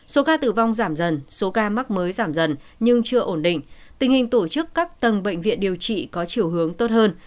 số ca tử vong giảm dần số ca mắc mới giảm dần nhưng chưa ổn định tình hình tổ chức các tầng bệnh viện điều trị có chiều hướng tốt hơn